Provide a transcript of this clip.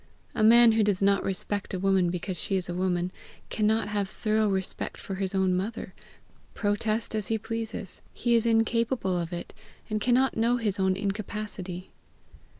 A man who does not respect a woman because she is a woman, cannot have thorough respect for his own mother, protest as he pleases: he is incapable of it, and cannot know his own incapacity.